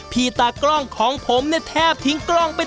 ตากล้องของผมเนี่ยแทบทิ้งกล้องไป